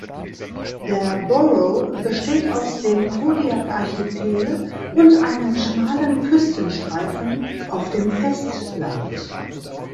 Der Borough besteht aus dem Kodiak-Archipel und einem schmalen Küstenstreifen auf dem Festland.